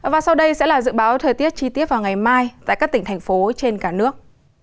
và sau đây sẽ là dự báo thời tiết chi tiết vào ngày mai tại các tỉnh thành phố trên cả nước